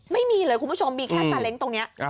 ไม่มีเลยคุณผู้ชมมีแค่ซาเล้งตรงนี้